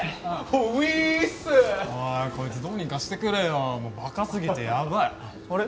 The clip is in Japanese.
おいこいつどうにかしてくれよもうバカすぎてヤバいあれ？